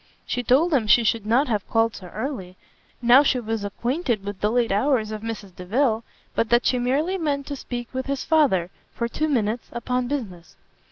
She told him she should not have called so early, now she was acquainted with the late hours of Mrs Delvile, but that she merely meant to speak with his Father, for two minutes, upon business.